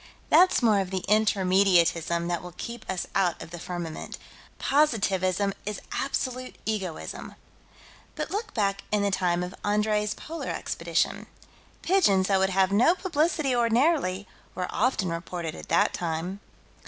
That's more of the Intermediatism that will keep us out of the firmament: Positivism is absolute egoism. But look back in the time of Andrée's Polar Expedition. Pigeons that would have no publicity ordinarily, were often reported at that time.